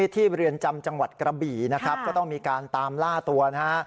เรือนจำจังหวัดกระบี่นะครับก็ต้องมีการตามล่าตัวนะฮะ